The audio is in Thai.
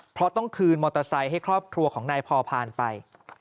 เพราะต้องคืนมอเตอร์ไซค์ให้ครอบครัวของนายพอพานไป